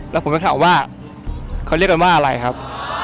แล้วผมก็ถามว่าเขาเรียกกันว่าอะไรครับ